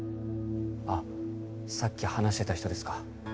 あっさっき話してた人ですか？